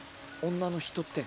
女の人って。